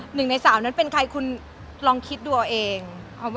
หนึ่งในสามนั้นเป็นใครคุณลองคิดดูเอาเอง